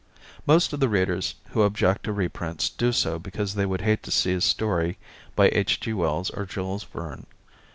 Most of the readers who object to reprints do so because they would hate to see a story by H. G. Wells or Jules Verne.